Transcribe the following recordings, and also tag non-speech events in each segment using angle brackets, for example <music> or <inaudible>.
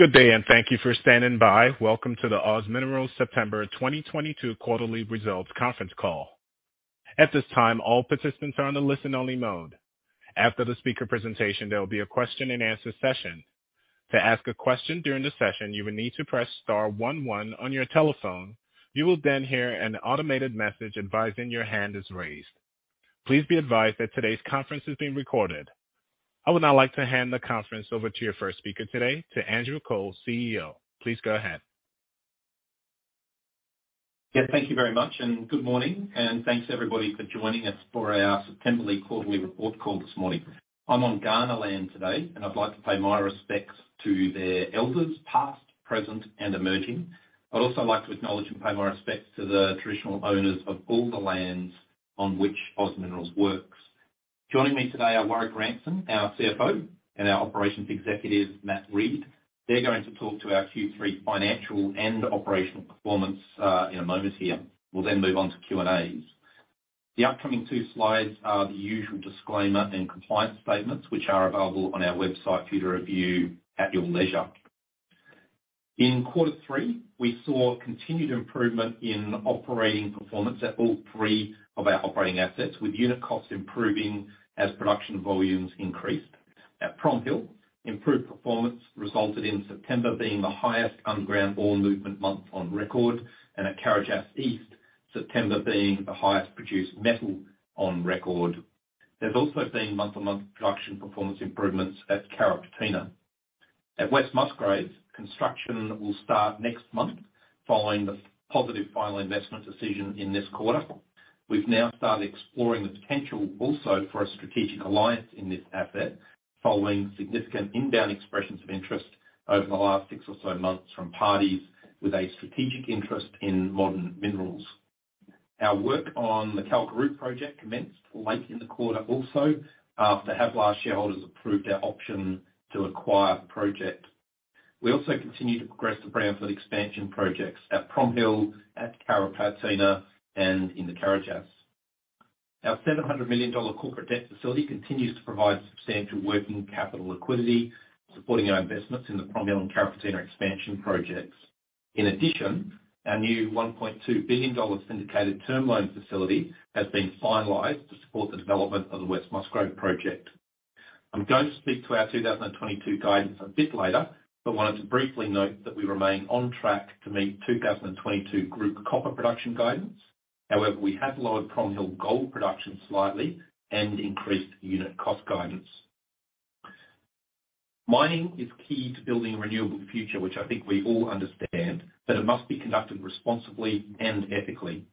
Good day, and thank you for standing by. Welcome to the OZ Minerals September 2022 quarterly results conference call. At this time, all participants are on the listen-only mode. After the speaker presentation, there will be a question-and-answer session. To ask a question during the session, you will need to press star one one on your telephone. You will then hear an automated message advising your hand is raised. Please be advised that today's conference is being recorded. I would now like to hand the conference over to your first speaker today, to Andrew Cole, CEO. Please go ahead. Yes, thank you very much, and good morning, and thanks everybody for joining us for our September quarterly report call this morning. I'm on Kaurna land today, and I'd like to pay my respects to their elders, past, present, and emerging. I'd also like to acknowledge and pay my respects to the traditional owners of all the lands on which OZ Minerals works. Joining me today are Warrick Ranson, our CFO, and our Operations Executive, Matt Reed. They're going to talk to our Q3 financial and operational performance in a moment here. We'll then move on to Q&As. The upcoming two slides are the usual disclaimer and compliance statements, which are available on our website for you to review at your leisure. In quarter three, we saw continued improvement in operating performance at all three of our operating assets, with unit costs improving as production volumes increased. At Prominent Hill, improved performance resulted in September being the highest underground ore movement month on record, and at Carajás East, September being the highest produced metal on record. There's also been month-on-month production performance improvements at Carrapateena. At West Musgrave, construction will start next month following the positive final investment decision in this quarter. We've now started exploring the potential also for a strategic alliance in this asset, following significant inbound expressions of interest over the last six or so months from parties with a strategic interest in modern minerals. Our work on the Kalkaroo project commenced late in the quarter also, after Havilah shareholders approved our option to acquire the project. We also continue to progress the brownfield expansion projects at Prominent Hill, at Carrapateena, and in the Carajás. Our 700 million dollar corporate debt facility continues to provide substantial working capital liquidity, supporting our investments in the Prominent Hill and Carrapateena expansion projects. In addition, our new 1.2 billion dollars syndicated term loan facility has been finalized to support the development of the West Musgrave project. I'm going to speak to our 2022 guidance a bit later, but wanted to briefly note that we remain on track to meet 2022 group copper production guidance. However, we have lowered Prominent Hill gold production slightly and increased unit cost guidance. Mining is key to building a renewable future, which I think we all understand, but it must be conducted responsibly and ethically.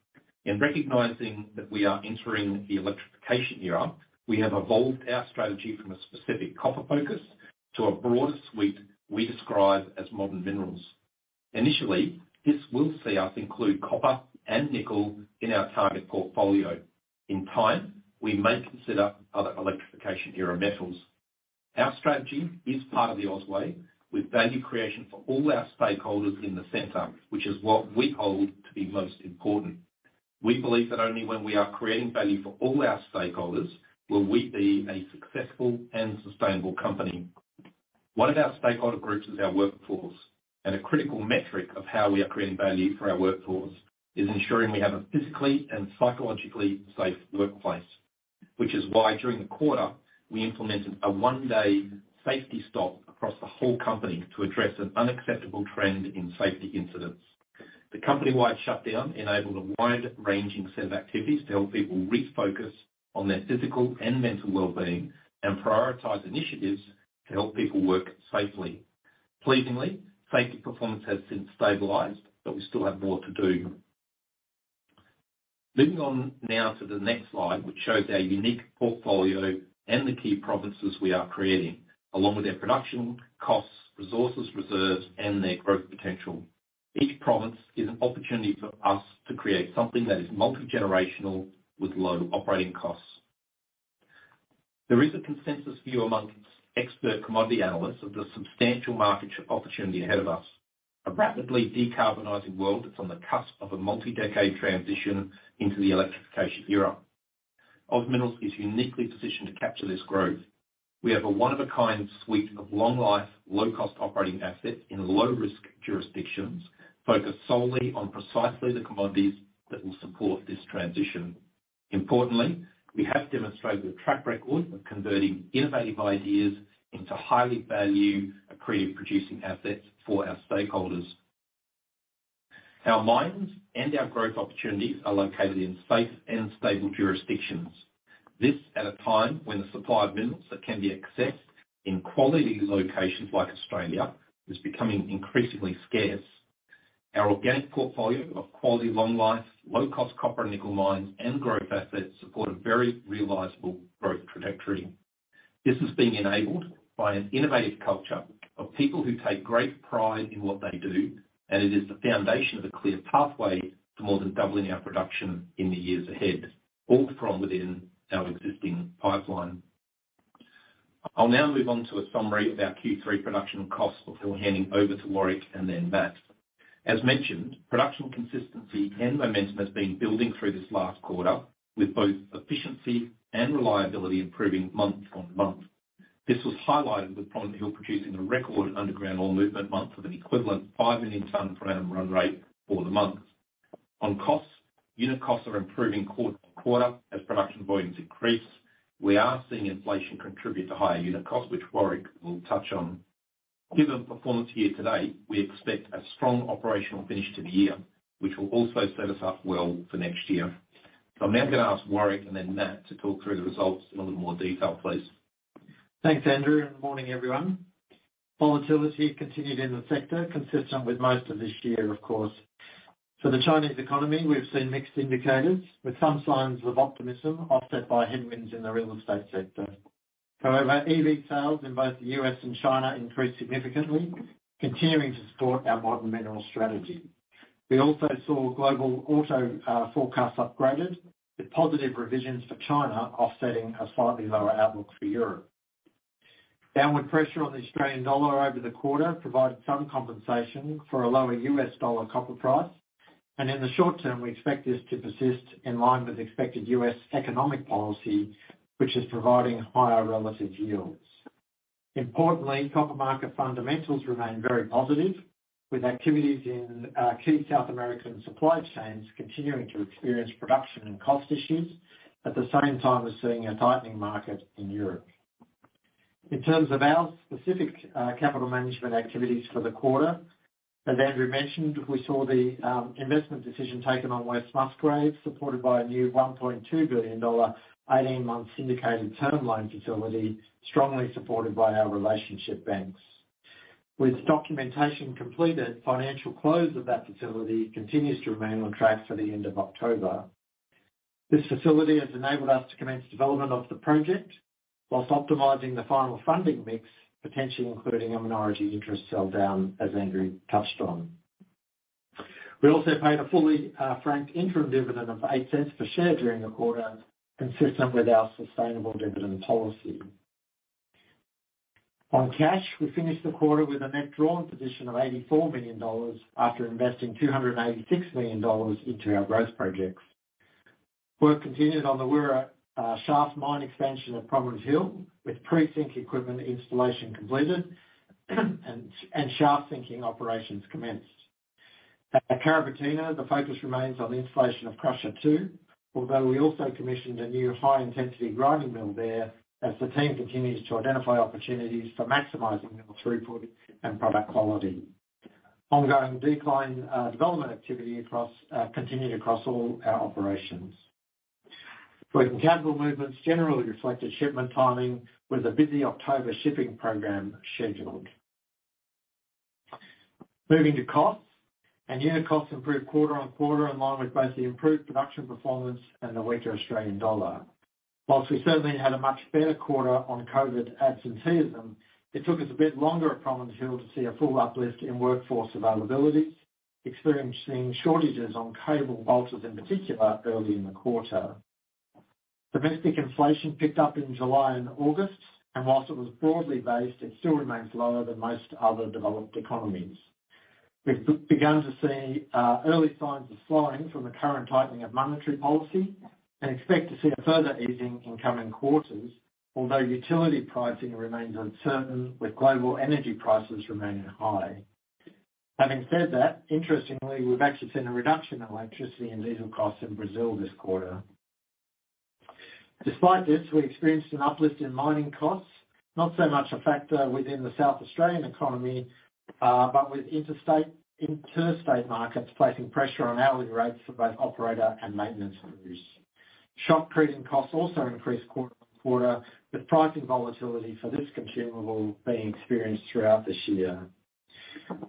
In recognizing that we are entering the electrification era, we have evolved our strategy from a specific copper focus to a broader suite we describe as modern minerals. Initially, this will see us include copper and nickel in our target portfolio. In time, we may consider other electrification-era metals. Our strategy is part of the OZ way, with value creation for all our stakeholders in the center, which is what we hold to be most important. We believe that only when we are creating value for all our stakeholders will we be a successful and sustainable company. One of our stakeholder groups is our workforce, and a critical metric of how we are creating value for our workforce is ensuring we have a physically and psychologically safe workplace, which is why, during the quarter, we implemented a one-day safety stop across the whole company to address an unacceptable trend in safety incidents. The company-wide shutdown enabled a wide-ranging set of activities to help people refocus on their physical and mental well-being and prioritize initiatives to help people work safely. Pleasingly, safety performance has since stabilized, but we still have more to do. Moving on now to the next slide, which shows our unique portfolio and the key provinces we are creating, along with their production costs, resources reserves, and their growth potential. Each province is an opportunity for us to create something that is multi-generational with low operating costs. There is a consensus view among expert commodity analysts of the substantial market opportunity ahead of us. A rapidly decarbonizing world that's on the cusp of a multi-decade transition into the electrification era. OZ Minerals is uniquely positioned to capture this growth. We have a one-of-a-kind suite of long-life, low-cost operating assets in low-risk jurisdictions, focused solely on precisely the commodities that will support this transition. Importantly, we have demonstrated a track record of converting innovative ideas into highly value-accretive producing assets for our stakeholders. Our mines and our growth opportunities are located in safe and stable jurisdictions. This, at a time when the supply of minerals that can be accessed in quality locations like Australia, is becoming increasingly scarce. Our organic portfolio of quality long life, low-cost copper and nickel mines and growth assets support a very realizable growth trajectory. This is being enabled by an innovative culture of people who take great pride in what they do, and it is the foundation of a clear pathway to more than doubling our production in the years ahead, all from within our existing pipeline. I'll now move on to a summary of our Q3 production costs before handing over to Warrick and then Matt. As mentioned, production consistency and momentum has been building through this last quarter, with both efficiency and reliability improving month-on-month. This was highlighted with Prominent Hill producing a record underground ore movement month of an equivalent 5 million ton per annum run rate for the month. On costs, unit costs are improving quarter-on-quarter as production volumes increase. We are seeing inflation contribute to higher unit costs, which Warrick will touch on. Given the performance year-to-date, we expect a strong operational finish to the year, which will also set us up well for next year. I'm now gonna ask Warrick and then Matt to talk through the results in a little more detail, please. Thanks, Andrew, and good morning, everyone. Volatility continued in the sector, consistent with most of this year, of course. For the Chinese economy, we've seen mixed indicators, with some signs of optimism offset by headwinds in the real estate sector. However, EV sales in both the U.S. and China increased significantly, continuing to support our modern minerals strategy. We also saw global auto forecasts upgraded, with positive revisions for China offsetting a slightly lower outlook for Europe. Downward pressure on the Australian dollar over the quarter provided some compensation for a lower US dollar copper price. In the short term, we expect this to persist in line with expected US economic policy, which is providing higher relative yields. Importantly, copper market fundamentals remain very positive, with activities in our key South American supply chains continuing to experience production and cost issues, at the same time as seeing a tightening market in Europe. In terms of our specific capital management activities for the quarter, as Andrew mentioned, we saw the investment decision taken on West Musgrave, supported by a new 1.2 billion dollar 18-month syndicated term loan facility, strongly supported by our relationship banks. With documentation completed, financial close of that facility continues to remain on track for the end of October. This facility has enabled us to commence development of the project while optimizing the final funding mix, potentially including a minority interest sell down, as Andrew touched on. We also paid a fully franked interim dividend of 0.08 per share during the quarter, consistent with our sustainable dividend policy. On cash, we finished the quarter with a net drawn position of 84 million dollars after investing 286 million dollars into our growth projects. Work continued on the Wira shaft mine expansion at Prominent Hill, with pre-sink equipment installation completed, and shaft sinking operations commenced. At Carrapateena, the focus remains on the installation of Crusher 2, although we also commissioned a new high-intensity grinding mill there as the team continues to identify opportunities for maximizing mill throughput and product quality. Ongoing decline development activity continued across all our operations. Working capital movements generally reflected shipment timing, with a busy October shipping program scheduled. Moving to costs. Unit costs improved quarter-on-quarter, in line with both the improved production performance and the weaker Australian dollar. While we certainly had a much better quarter on COVID absenteeism, it took us a bit longer at Prominent Hill to see a full uplift in workforce availability, experiencing shortages on cable bolters in particular early in the quarter. Domestic inflation picked up in July and August, and while it was broadly based, it still remains lower than most other developed economies. We've begun to see early signs of slowing from the current tightening of monetary policy and expect to see a further easing in coming quarters. Although utility pricing remains uncertain, with global energy prices remaining high. Having said that, interestingly, we've actually seen a reduction in electricity and diesel costs in Brazil this quarter. Despite this, we experienced an uplift in mining costs, not so much a factor within the South Australian economy, but with interstate markets placing pressure on hourly rates for both operator and maintenance crews. Shotcreting costs also increased quarter-over-quarter, with pricing volatility for this consumable being experienced throughout this year.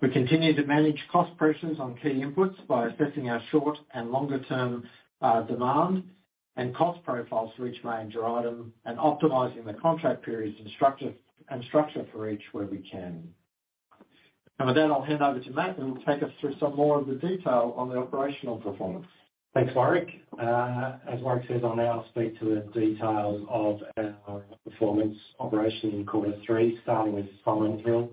We continue to manage cost pressures on key inputs by assessing our short and longer term demand and cost profiles for each major item and optimizing the contract periods and structure for each where we can. With that, I'll hand over to Matt, who will take us through some more of the detail on the operational performance. Thanks, Warrick. As Warrick says, I'll now speak to the details of our operational performance in quarter three, starting with Prominent Hill.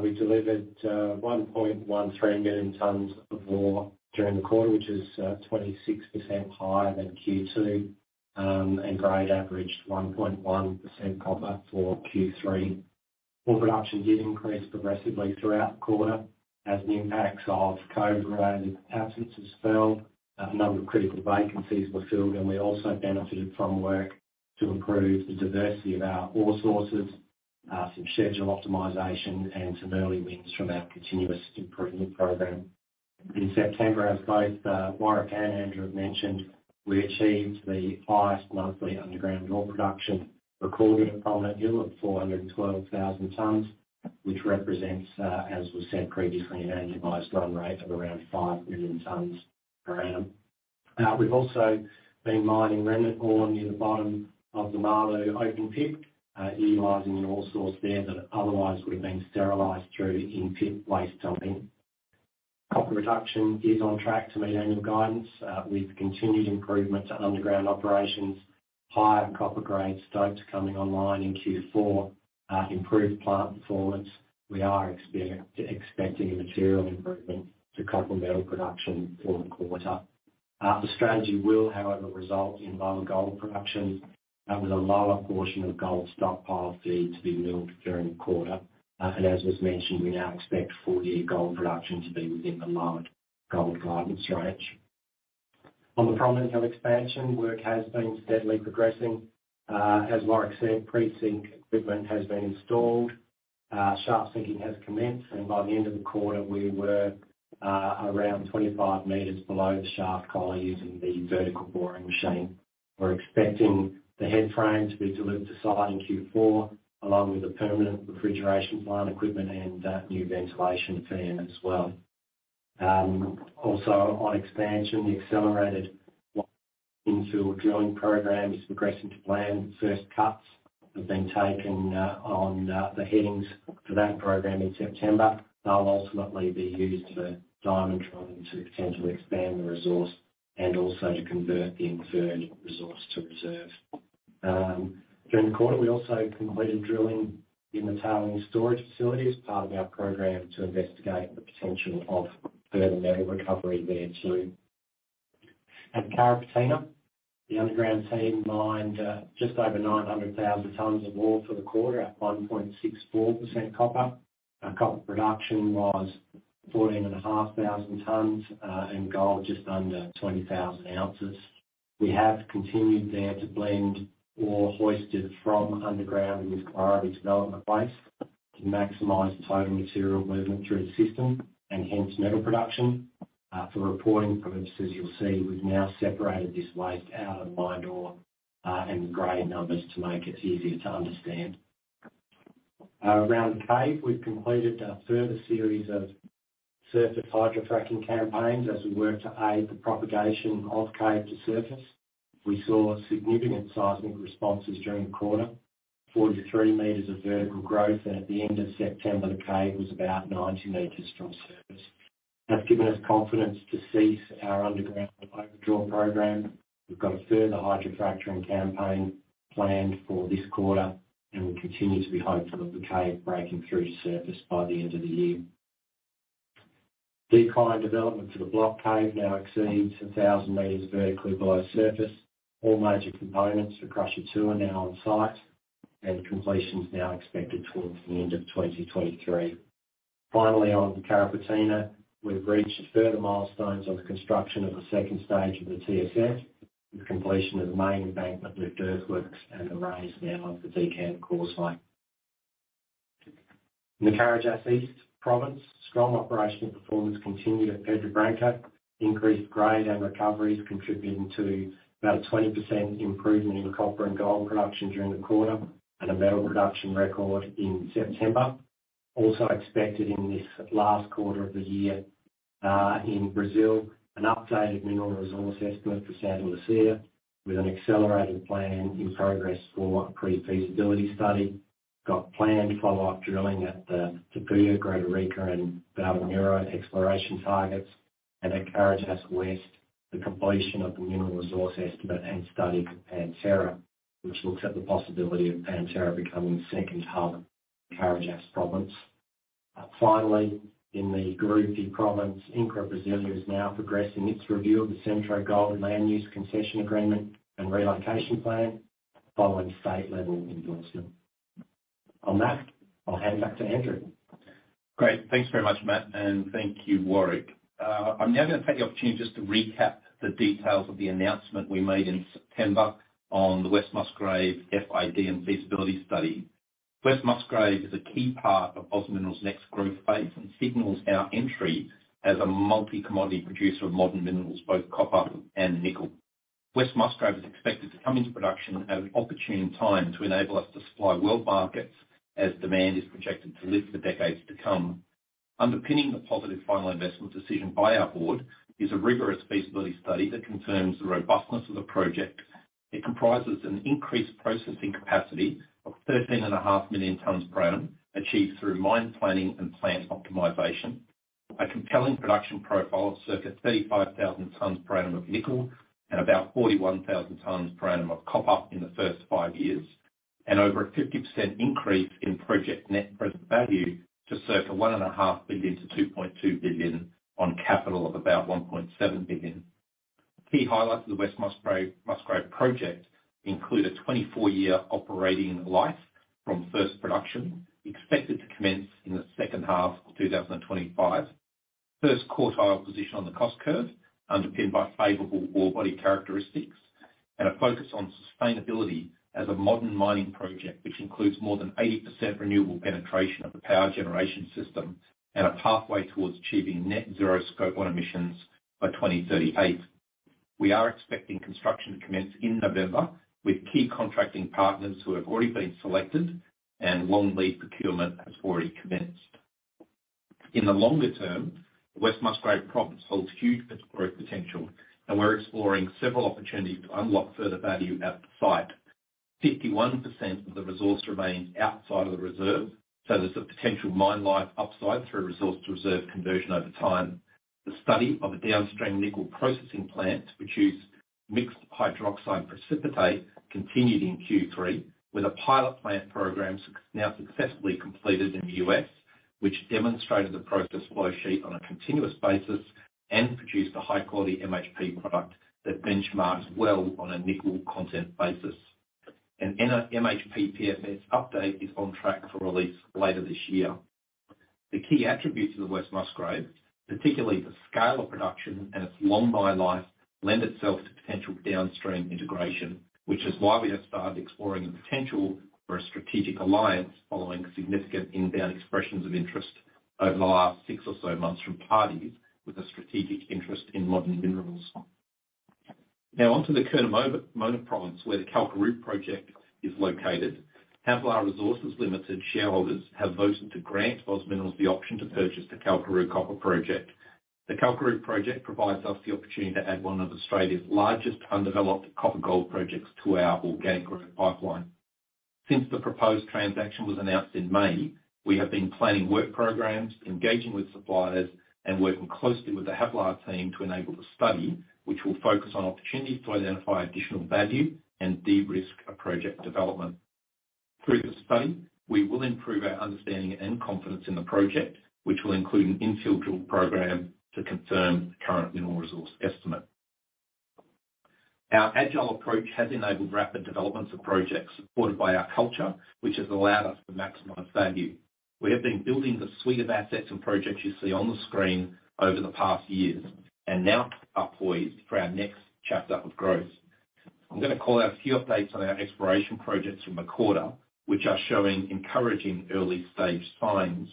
We delivered 1.13 million tons of ore during the quarter, which is 26% higher than Q2, and average grade 1.1% copper for Q3. Ore production did increase progressively throughout the quarter as the impacts of COVID-related absences fell, a number of critical vacancies were filled, and we also benefited from work to improve the diversity of our ore sources, some schedule optimization and some early wins from our continuous improvement program. In September, as both, Warrick and Andrew have mentioned, we achieved the highest monthly underground ore production recorded at Prominent Hill of 412,000 tons, which represents, as was said previously, an annualized run rate of around 5 million tons per annum. We've also been mining remnant ore near the bottom of the Malu open pit, utilizing an ore source there that otherwise would've been sterilized through in-pit waste dumping. Copper production is on track to meet annual guidance, with continued improvements at underground operations. Higher copper grade stocks coming online in Q4, improved plant performance. We are expecting a material improvement to copper metal production for the quarter. The strategy will, however, result in lower gold production and with a lower portion of gold stockpile feed to be milled during the quarter. As was mentioned, we now expect full-year gold production to be within the lowered gold guidance range. On the Prominent Hill expansion, work has been steadily progressing. As Warwick said, pre-sink equipment has been installed. Shaft sinking has commenced, and by the end of the quarter, we were around 25 m below the shaft collar using the vertical boring machine. We're expecting the headframe to be delivered to site in Q4, along with the permanent refrigeration plant equipment and new ventilation fan as well. Also on expansion, the accelerated infill drilling program is progressing to plan. First cuts have been taken on the headings for that program in September. They'll ultimately be used for diamond drilling to potentially expand the resource and also to convert the inferred resource to reserve. During the quarter, we also completed drilling in the tailings storage facility as part of our program to investigate the potential of further metal recovery there too. At Carrapateena, the underground team mined just over 900,000 tons of ore for the quarter at 1.64% copper. Our copper production was 14,500 tons, and gold just under 20,000 ounces. We have continued there to blend ore hoisted from underground with priority development waste to maximize the total material movement through the system and hence metal production. For reporting purposes, you'll see we've now separated this waste out of mined ore and grade numbers to make it easier to understand. Around the cave, we've completed a further series of surface hydraulic fracturing campaigns as we work to aid the propagation of cave to surface. We saw significant seismic responses during the quarter. 43 m of vertical growth and at the end of September, the cave was about 90 m from surface. That's given us confidence to cease our underground overdraw program. We've got a further hydraulic fracturing campaign planned for this quarter, and we continue to be hopeful of the cave breaking through to surface by the end of the year. Decline development to the Block Cave now exceeds 1,000 meters vertically below surface. All major components for Crusher 2 are now on site, and completion is now expected towards the end of 2023. Finally, on Carrapateena, we've reached further milestones on the construction of the second stage of the TSF with completion of the main embankment with earthworks and a raise now of the decant tower site. In the Carajás East province, strong operational performance continued at Pedra Branca, increased grade and recoveries contributing to about a 20% improvement in copper and gold production during the quarter and a metal production record in September. Also expected in this last quarter of the year, in Brazil, an updated mineral resource estimate for Santa Lucia with an accelerated plan in progress for pre-feasibility study. Got planned follow-up drilling at the Tapuia, Grota Rica, and Valdomiro exploration targets. At Carajás West, the completion of the mineral resource estimate and study of Pantera, which looks at the possibility of Pantera becoming the second hub of Carajás province. Finally, in the Gurupi province, INCRA Brasília is now progressing its review of the Centro Gold land use concession agreement and relocation plan following state-level endorsement. On that, I'll hand back to Andrew. Great. Thanks very much, Matt, and thank you, Warrick. I'm now gonna take the opportunity just to recap the details of the announcement we made in September on the West Musgrave FID and feasibility study. West Musgrave is a key part of OZ Minerals' next growth phase and signals our entry as a multi-commodity producer of modern minerals, both copper and nickel. West Musgrave is expected to come into production at an opportune time to enable us to supply world markets as demand is projected to last for decades to come. Underpinning the positive final investment decision by our board is a rigorous feasibility study that confirms the robustness of the project. It comprises an increased processing capacity of 13.5 million tons per annum, achieved through mine planning and plant optimization. A compelling production profile of circa 35,000 tons per annum of nickel and about 41,000 tons per annum of copper in the first five years. Over a 50% increase in project net present value to circa 1.5 billion-2.2 billion on capital of about 1.7 billion. Key highlights of the West Musgrave project include a 24-year operating life from first production, expected to commence in the second half of 2025. First quartile position on the cost curve, underpinned by favorable ore body characteristics. A focus on sustainability as a modern mining project, which includes more than 80% renewable penetration of the power generation system and a pathway towards achieving net zero scope one emissions by 2038. We are expecting construction to commence in November with key contracting partners who have already been selected and long lead procurement has already commenced. In the longer term, West Musgrave Province holds huge growth potential, and we're exploring several opportunities to unlock further value at the site. 51% of the resource remains outside of the reserve, so there's a potential mine life upside through resource to reserve conversion over time. The study of a downstream nickel processing plant to produce mixed hydroxide precipitate continued in Q3 with a pilot plant program now successfully completed in the U.S., which demonstrated the process flow sheet on a continuous basis and produced a high-quality MHP product that benchmarks well on a nickel content basis. An MHP PFS update is on track for release later this year. The key attributes of the West Musgrave, particularly the scale of production and its long mine life, lend itself to potential downstream integration, which is why we have started exploring the potential for a strategic alliance following significant inbound expressions of interest over the last six or so months from parties with a strategic interest in modern minerals. Now on to the Curnamona Province, where the Kalkaroo project is located. Havilah Resources Limited shareholders have voted to grant OZ Minerals the option to purchase the Kalkaroo Copper Project. The Kalkaroo Project provides us the opportunity to add one of Australia's largest undeveloped copper-gold projects to our organic growth pipeline. Since the proposed transaction was announced in May, we have been planning work programs, engaging with suppliers, and working closely with the Havilah team to enable the study, which will focus on opportunities to identify additional value and de-risk a project development. Through the study, we will improve our understanding and confidence in the project, which will include an infill drill program to confirm the current mineral resource estimate. Our agile approach has enabled rapid developments of projects supported by our culture, which has allowed us to maximize value. We have been building the suite of assets and projects you see on the screen over the past years and now are poised for our next chapter of growth. I'm gonna call out a few updates on our exploration projects from the quarter, which are showing encouraging early-stage signs.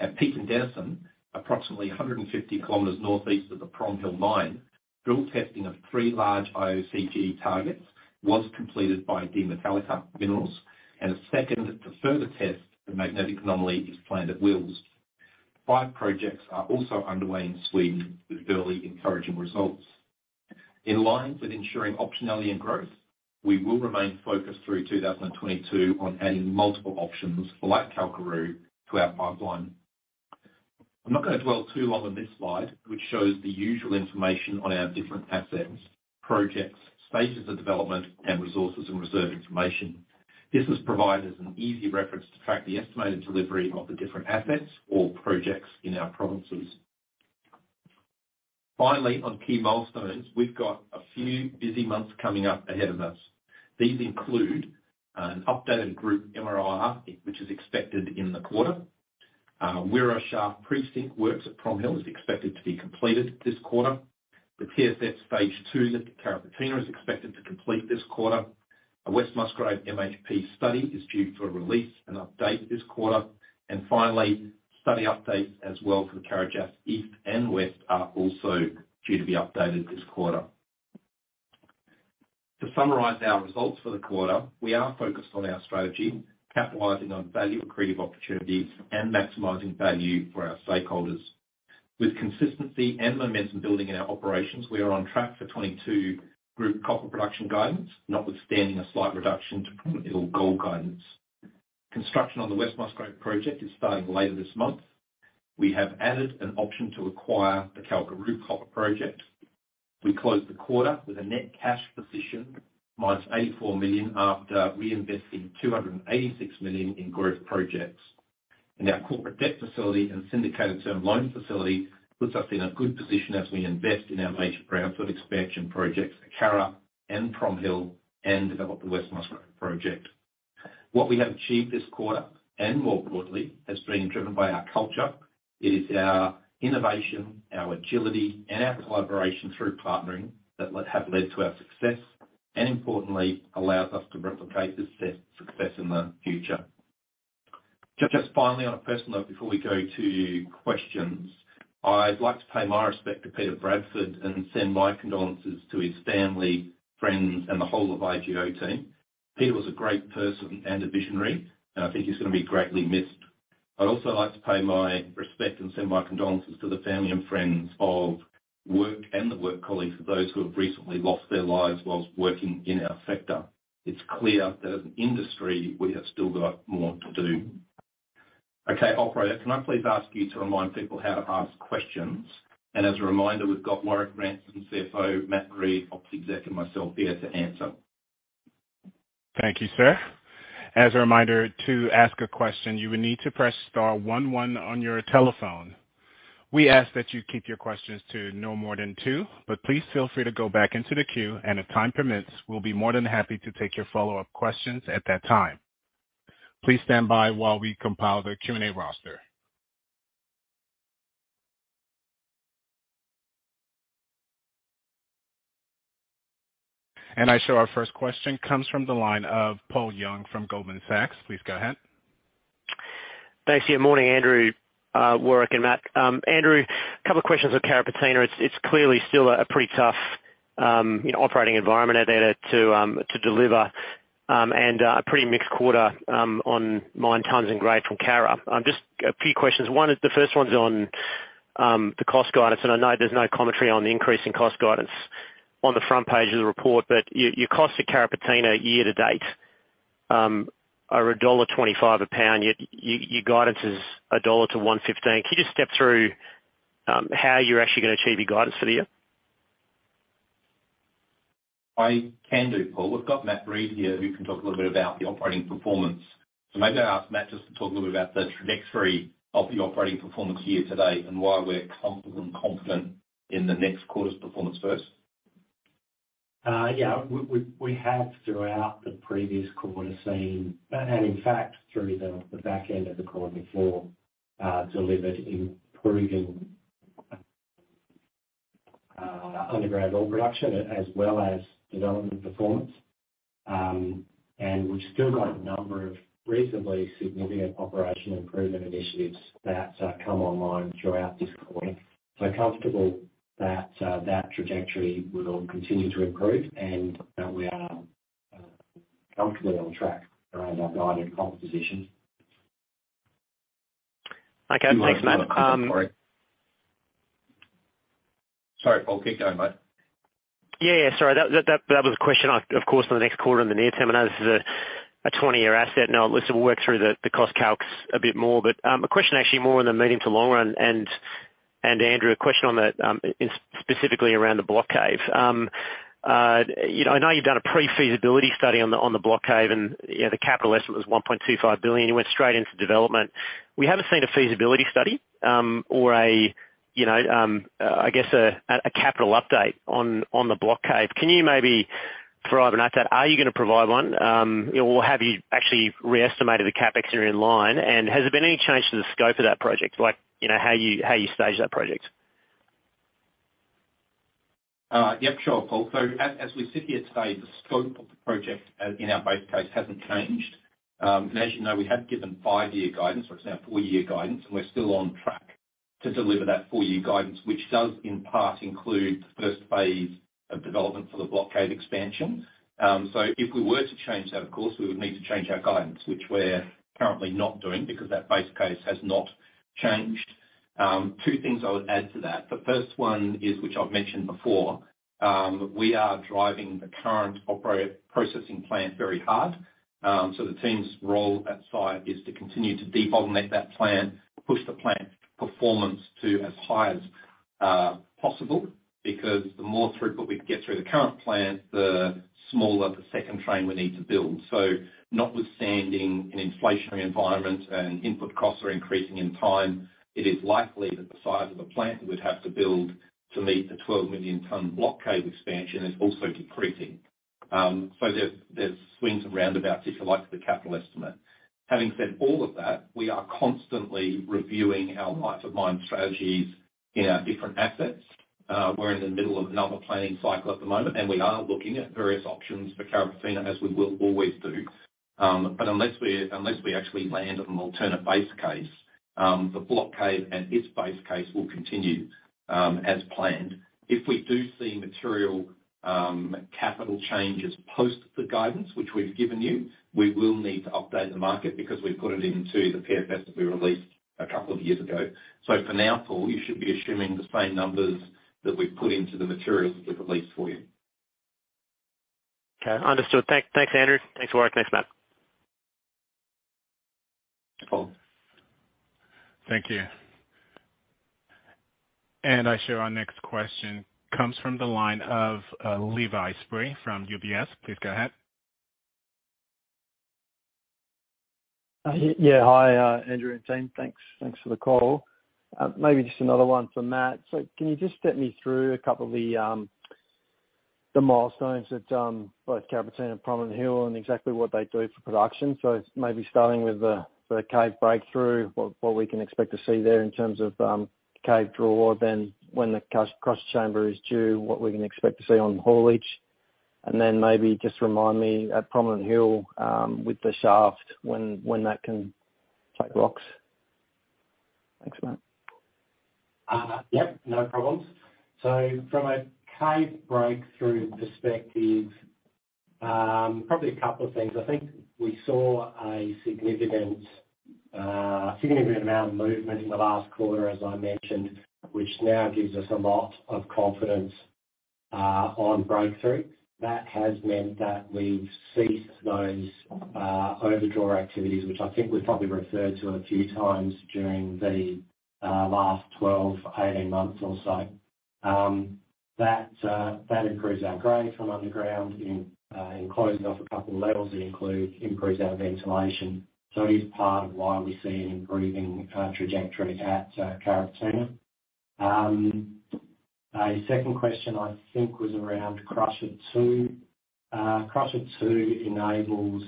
At Peake and Denison, approximately 150 km northeast of the Prominent Hill mine, drill testing of three large IOCG targets was completed by Demetallica Minerals. Second, to further test, the magnetic anomaly is planned at Wels. Five projects are also underway in Sweden with early encouraging results. In line with ensuring optionality and growth, we will remain focused through 2022 on adding multiple options like Kalkaroo to our pipeline. I'm not gonna dwell too long on this slide, which shows the usual information on our different assets, projects, stages of development, and resources and reserve information. This is provided as an easy reference to track the estimated delivery of the different assets or projects in our provinces. Finally, on key milestones, we've got a few busy months coming up ahead of us. These include an updated group MRE, which is expected in the quarter. Wira Shaft Precinct works at Prominent Hill is expected to be completed this quarter. The PFS stage two that Carrapateena is expected to complete this quarter. A West Musgrave MHP study is due for a release and update this quarter. Finally, study updates as well for the Carajás East and West are also due to be updated this quarter. To summarize our results for the quarter, we are focused on our strategy, capitalizing on value-accretive opportunities, and maximizing value for our stakeholders. With consistency and momentum building in our operations, we are on track for 2022 group copper production guidance, notwithstanding a slight reduction to Prominent Hill gold guidance. Construction on the West Musgrave project is starting later this month. We have added an option to acquire the Kalkaroo Copper Project. We closed the quarter with a net cash position of -84 million after reinvesting 286 million in growth projects. Our corporate debt facility and syndicated term loan facility puts us in a good position as we invest in our major brownfield expansion projects, Carrapateena and Prominent Hill, and develop the West Musgrave Project. What we have achieved this quarter, and more broadly, has been driven by our culture. It is our innovation, our agility, and our collaboration through partnering that have led to our success, and importantly, allows us to replicate this success in the future. Just finally, on a personal note, before we go to questions, I'd like to pay my respect to Peter Bradford and send my condolences to his family, friends, and the whole of IGO team. Peter was a great person and a visionary, and I think he's gonna be greatly missed. I'd also like to pay my respect and send my condolences to the family and friends of workers and the work colleagues of those who have recently lost their lives while working in our sector. It's clear that as an industry, we have still got more to do. Okay. Operator, can I please ask you to remind people how to ask questions? As a reminder, we've got Warrick Ranson, CFO, Matt Reed, Ops Exec, and myself here to answer. Thank you, sir. As a reminder, to ask a question, you will need to press star one one on your telephone. We ask that you keep your questions to no more than two, but please feel free to go back into the queue, and if time permits, we'll be more than happy to take your follow-up questions at that time. Please stand by while we compile the Q&A roster. I have our first question comes from the line of Paul Young from Goldman Sachs. Please go ahead. Thanks. Yeah, morning, Andrew, Warrick, and Matt. Andrew, a couple of questions on Carrapateena. It's clearly still a pretty tough, you know, operating environment out there to deliver, and a pretty mixed quarter on mine tonnes and grade from Carrapateena. Just a few questions. One is, the first one's on- The cost guidance, and I know there's no commentary on the increase in cost guidance on the front page of the report. Your cost at Carrapateena year to date are $1.25 a pound. Yet your guidance is $1-$1.15. Can you just step through how you're actually gonna achieve your guidance for the year? I can do, Paul. We've got Matt Reed here, who can talk a little bit about the operating performance. Maybe I'll ask Matt just to talk a little bit about the trajectory of the operating performance year to date and why we're comfortable and confident in the next quarter's performance first. Yeah. We have throughout the previous quarter seen and, in fact, through the back end of the quarter before delivered improving underground ore production as well as development performance. We've still got a number of reasonably significant operational improvement initiatives that come online throughout this quarter. We're comfortable that trajectory will continue to improve, and we are comfortably on track around our guided composition. Okay. Thanks, Matt. Sorry, Paul, keep going, mate. Yeah, sorry. That was a question of course on the next quarter and the near term. I know this is a twenty-year asset, and I'll listen, we'll work through the cost calcs a bit more. But a question actually more on the medium to long run, and Andrew, a question on that, in specifically around the Block Cave. You know, I know you've done a pre-feasibility study on the Block Cave, and you know, the capital estimate was 1.25 billion. You went straight into development. We haven't seen a feasibility study or a you know I guess a capital update on the Block Cave. Can you maybe dive on that? Are you gonna provide one or have you actually reestimated the CapEx in line? Has there been any change to the scope of that project, like, you know, how you stage that project? Yep, sure, Paul. As we sit here today, the scope of the project as in our base case hasn't changed. As you know, we have given five-year guidance, for example, four-year guidance, and we're still on track to deliver that four-year guidance, which does in part include the first phase of development for the Block Cave expansion. If we were to change that, of course, we would need to change our guidance, which we're currently not doing because that base case has not changed. Two things I would add to that. The first one is, which I've mentioned before, we are driving the current processing plant very hard. The team's role at site is to continue to bottleneck that plant, push the plant performance to as high as possible because the more throughput we can get through the current plant, the smaller the second train we need to build. Notwithstanding an inflationary environment and input costs are increasing in time, it is likely that the size of the plant we'd have to build to meet the 12 million ton Block Cave expansion is also decreasing. There's swings and roundabouts, if you like, to the capital estimate. Having said all of that, we are constantly reviewing our life of mine strategies in our different assets. We're in the middle of another planning cycle at the moment, and we are looking at various options for Carrapateena as we will always do. Unless we actually land on an alternate base case, the Block Cave and its base case will continue as planned. If we do see material capital changes post the guidance which we've given you, we will need to update the market because we've put it into the PFS that we released a couple of years ago. For now, Paul, you should be assuming the same numbers that we've put into the materials we've released for you. Okay. Understood. Thanks, Andrew. Thanks, Warrick. Thanks, Matt. Cool. Thank you. Our next question comes from the line of Levi Spry from UBS. Please go ahead. Yeah. Hi, Andrew and team. Thanks for the call. Maybe just another one for Matt. Can you just step me through a couple of the milestones at both Carrapateena and Prominent Hill and exactly what they do for production? Maybe starting with the cave breakthrough, what we can expect to see there in terms of cave draw, then when the crusher chamber is due, what we can expect to see on haulage. Maybe just remind me at Prominent Hill with the shaft when that can take rocks. Thanks, Matt. Yep, no problems. From a cave breakthrough perspective, probably a couple of things. I think we saw a significant amount of movement in the last quarter, as I mentioned, which now gives us a lot of confidence on breakthrough. That has meant that we've ceased those overdraw activities, which I think we've probably referred to a few times during the last 12, 18 months or so. That improves our grade from underground in closing off a couple of levels, improves our ventilation. It is part of why we're seeing improving trajectory at Carrapateena. A second question I think was around Crusher 2. Crusher 2 enables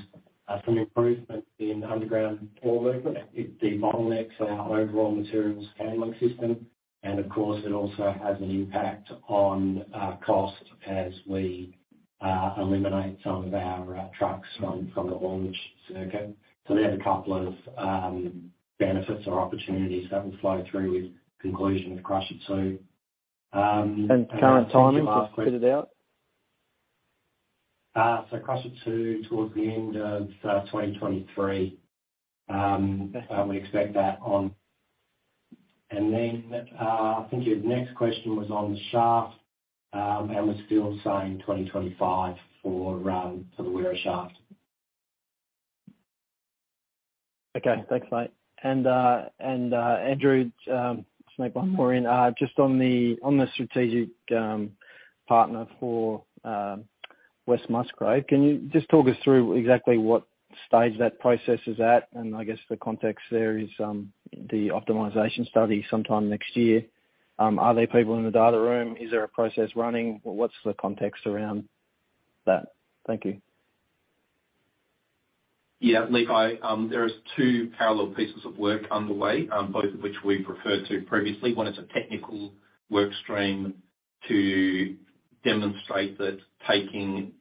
some improvement in underground ore movement. It debottlenecks our overall materials handling system, and of course, it also has an impact on cost as we eliminate some of our trucks from the haulage circuit. There's a couple of benefits or opportunities that will flow through with conclusion of Crusher 2. I think your last question- Current timeline to put it out? Crusher 2 towards the end of 2023. We expect that on. I think your next question was on the shaft. We're still saying 2025 for the Wira shaft. Okay. Thanks, mate. Andrew, just maybe one more on the strategic partner for West Musgrave. Can you just talk us through exactly what stage that process is at? I guess the context there is the optimization study sometime next year. Are there people in the data room? Is there a process running? What's the context around that? Thank you. Yeah, Levi. There is two parallel pieces of work underway, both of which we've referred to previously. One is a technical work stream to demonstrate that taking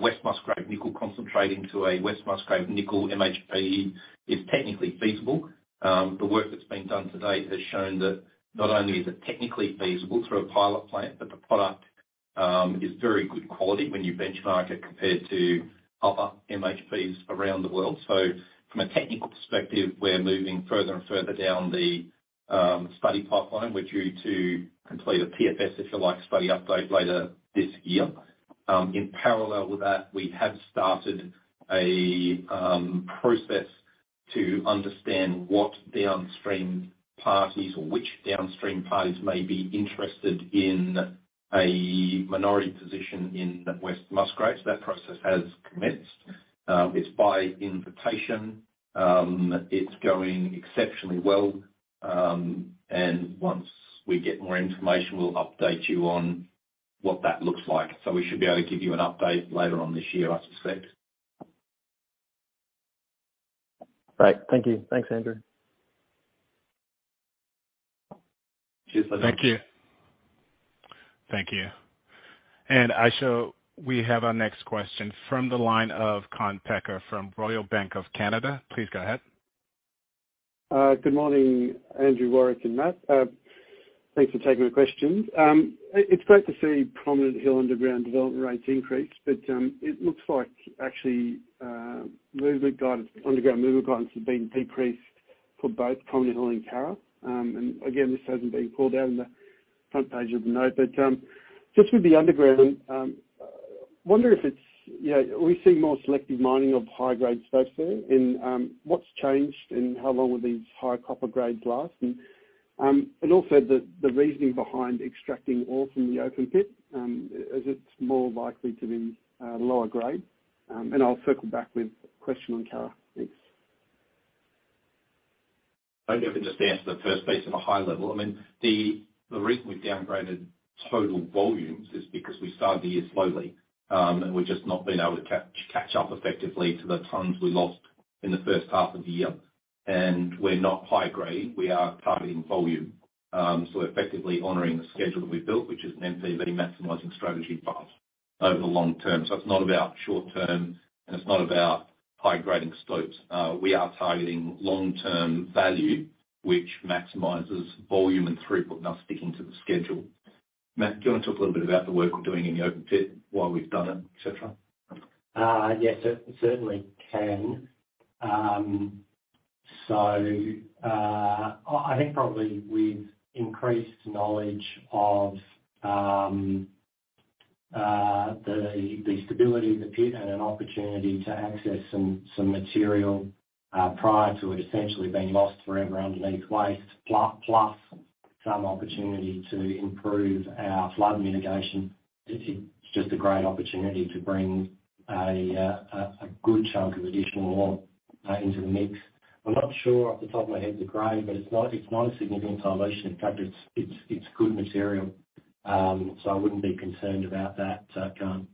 West Musgrave nickel concentrate into a West Musgrave nickel MHP is technically feasible. The work that's been done to date has shown that not only is it technically feasible through a pilot plant, but the product is very good quality when you benchmark it compared to other MHPs around the world. From a technical perspective, we're moving further and further down the study pipeline. We're due to complete a PFS, if you like, study update later this year. In parallel with that, we have started a process to understand what downstream parties or which downstream parties may be interested in a minority position in West Musgrave. That process has commenced. It's by invitation. It's going exceptionally well. Once we get more information, we'll update you on what that looks like. We should be able to give you an update later on this year, I suspect. Great. Thank you. Thanks, Andrew. Cheers, Levi. Thank you. Thank you. We have our next question from the line of Kaan Peker from Royal Bank of Canada. Please go ahead. Good morning, Andrew, Warrick, and Matt. Thanks for taking the questions. It's great to see Prominent Hill underground development rates increase, but it looks like actually, movement guidance, underground movement guidance has been decreased for both Prominent Hill and Carrapateena. This hasn't been called out in the front page of the note. Just with the underground, wonder if it's, you know, are we seeing more selective mining of high grade space there? What's changed, and how long will these high copper grades last? And also the reasoning behind extracting ore from the open pit, as it's more likely to be lower grade. I'll circle back with a question on Carrapateena. Thanks. Maybe I can just answer the first piece at a high level. I mean, the reason we've downgraded total volumes is because we started the year slowly, and we've just not been able to catch up effectively to the tons we lost in the first half of the year. We're not high grade. We are targeting volume. Effectively honoring the schedule that we've built, which is an MP, but a maximizing strategy path over the long term. It's not about short term, and it's not about high grading slopes. We are targeting long-term value, which maximizes volume and throughput and us sticking to the schedule. Matt, do you want to talk a little bit about the work we're doing in the open pit, why we've done it, et cetera? Yes, certainly can. I think probably with increased knowledge of the stability of the pit and an opportunity to access some material prior to it essentially being lost forever underneath waste, plus some opportunity to improve our flood mitigation. It's just a great opportunity to bring a good chunk of additional ore into the mix. I'm not sure off the top of my head the grade, but it's not a significant dilution. In fact, it's good material. I wouldn't be concerned about that. Go on.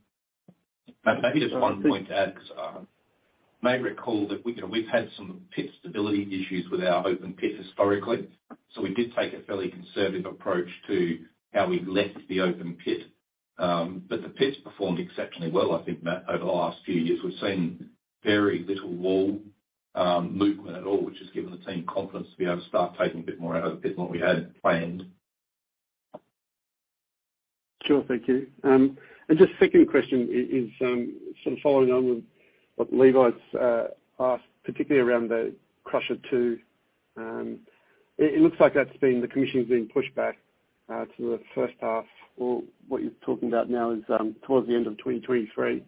Matt, maybe just one point to add. You may recall that we, you know, we've had some pit stability issues with our open pit historically. We did take a fairly conservative approach to how we left the open pit. The pit's performed exceptionally well, I think, Matt, over the last few years. We've seen very little wall movement at all, which has given the team confidence to be able to start taking a bit more out of the pit than what we had planned. Sure. Thank you. Just second question is sort of following on with what Levi Spry's asked, particularly around the Crusher 2. It looks like that's been, the commissioning's been pushed back to the first half or what you're talking about now is towards the end of 2023.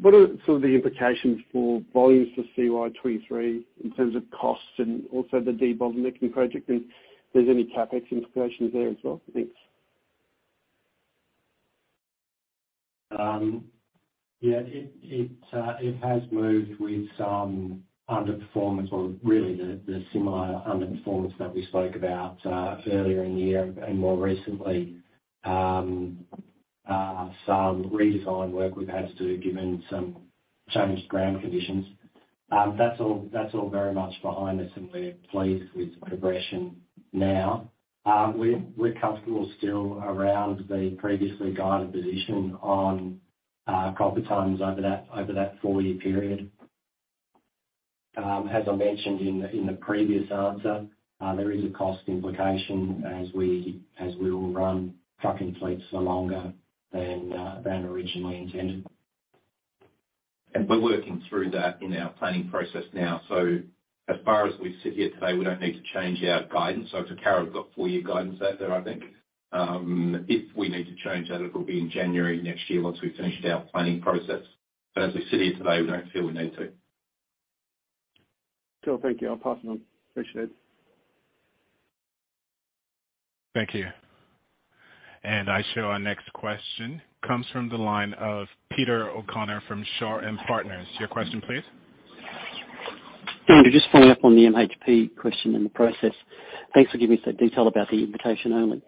What are sort of the implications for volumes for CY 2023 in terms of costs and also the debottlenecking project? If there's any CapEx implications there as well? Thanks. Yeah. It has moved with some underperformance or really the similar underperformance that we spoke about earlier in the year and more recently. Some redesign work we've had to do given some changed ground conditions. That's all very much behind us, and we're pleased with progression now. We're comfortable still around the previously guided position on copper tonnes over that four-year period. As I mentioned in the previous answer, there is a cost implication as we will run trucking fleets for longer than originally intended. We're working through that in our planning process now. As far as we sit here today, we don't need to change our guidance. To Kara, we've got full year guidance out there, I think. If we need to change that, it'll be in January next year once we've finished our planning process. As we sit here today, we don't feel we need to. Cool. Thank you. I'll pass them on. Appreciate it. Thank you. Our next question comes from the line of Peter O'Connor from Shaw and Partners. Your question please. Andrew, just following up on the MHP question and the process. Thanks for giving me some detail about the invitation only.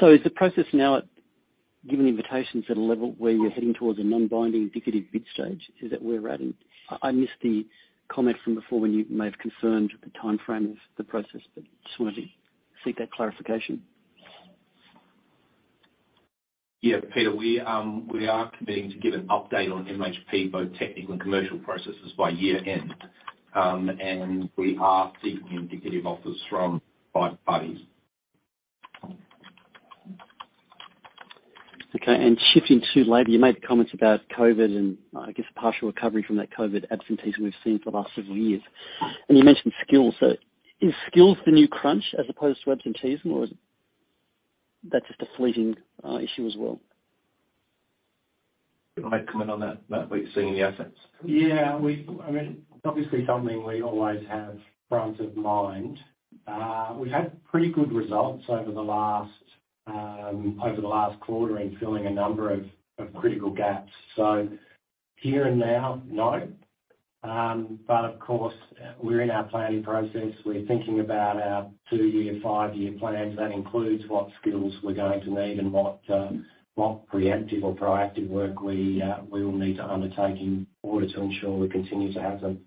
So is the process now at giving invitations at a level where you're heading towards a non-binding indicative bid stage? Is that where we're at? I missed the comment from before when you may have concerned the timeframe of the process, but just wanted to seek that clarification. Yeah, Peter, we are committing to give an update on MHP, both technical and commercial processes by year end. We are seeking indicative offers from 5 parties. Okay. Shifting to labor, you made the comments about COVID and I guess partial recovery from that COVID absenteeism we've seen for the last several years. You mentioned skills. Is skills the new crunch as opposed to absenteeism or is that just a fleeting issue as well? If I comment on that, Matt, we've seen the assets. Yeah, I mean, obviously something we always have front of mind. We've had pretty good results over the last quarter in filling a number of critical gaps. Here and now, no. Of course, we're in our planning process. We're thinking about our two-year, five-year plans. That includes what skills we're going to need and what preemptive or proactive work we will need to undertake in order to ensure we continue to have them.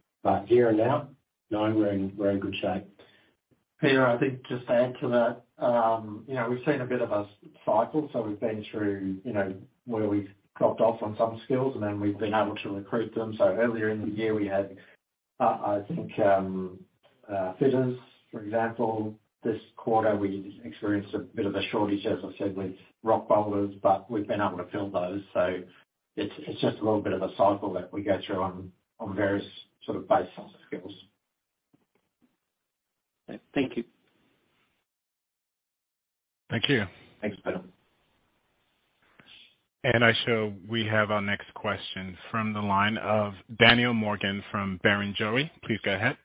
Here and now, no, we're in good shape. Peter, I think just to add to that, you know, we've seen a bit of a cycle, so we've been through, you know, where we've dropped off on some skills, and then we've been able to recruit them. Earlier in the year, we had, I think, fitters, for example. This quarter, we experienced a bit of a shortage, as I said, with rock bolters, but we've been able to fill those. It's just a little bit of a cycle that we go through on various sort of baseline skills. Thank you. Thank you. Thanks, Peter. Now we have our next question from the line of Daniel Morgan from Barrenjoey. Please go ahead.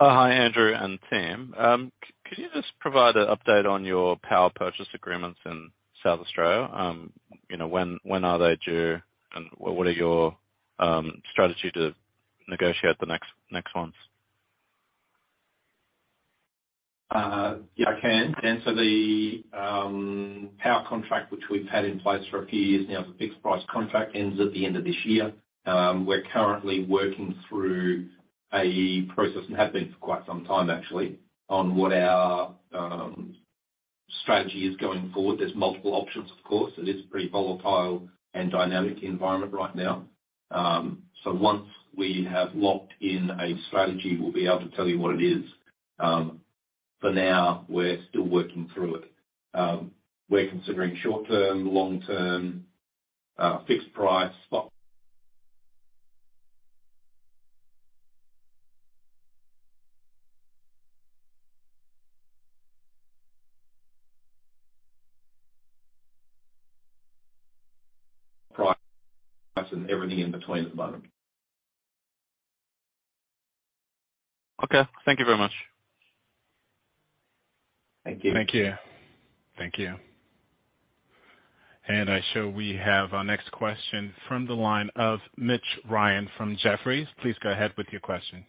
Hi, Andrew and team. Could you just provide an update on your power purchase agreements in South Australia? You know, when are they due, and what are your strategy to negotiate the next ones? Yeah, I can. The power contract, which we've had in place for a few years now, the fixed price contract ends at the end of this year. We're currently working through a process and have been for quite some time, actually, on what our strategy is going forward. There's multiple options, of course. It is pretty volatile and dynamic environment right now. Once we have locked in a strategy, we'll be able to tell you what it is. For now, we're still working through it. We're considering short-term, long-term, fixed price, spot price, and everything in between at the moment. Okay. Thank you very much. Thank you. Thank you. Now we have our next question from the line of Mitch Ryan from Jefferies. Please go ahead with your question.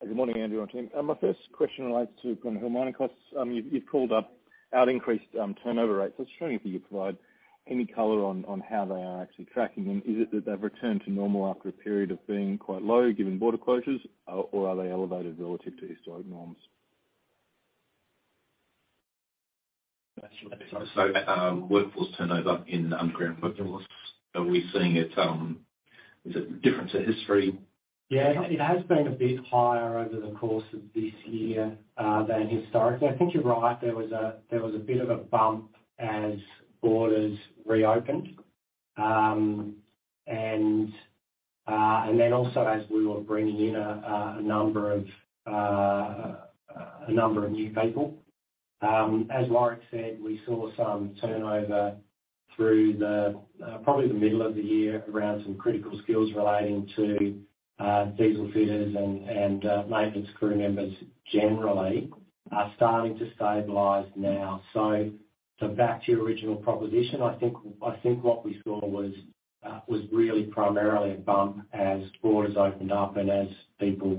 Good morning, Andrew and team. My first question relates to Prominent Hill mining costs. You've called out increased turnover rates. I was just wondering if you could provide any color on how they are actually tracking. Is it that they've returned to normal after a period of being quite low, given border closures, or are they elevated relative to historic norms? Workforce turnover in underground workforce. Are we seeing it, is it different to history? Yeah, it has been a bit higher over the course of this year than historically. I think you're right. There was a bit of a bump as borders reopened, and then also as we were bringing in a number of new people. As Warrick said, we saw some turnover through, probably, the middle of the year around some critical skills relating to diesel fitters and maintenance crew members generally are starting to stabilize now. Back to your original proposition, I think what we saw was really primarily a bump as borders opened up and as people